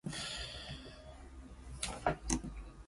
General Henry W. Powell.